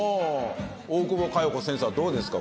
大久保佳代子先生はどうですか？